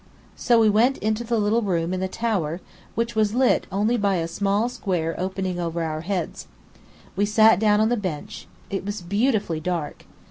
So we went into the little room in the tower, which was lit only by a small square opening over our heads. We sat down on the bench. It was beautifully dark.